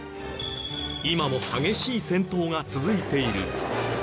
今も激しい戦闘が続いている。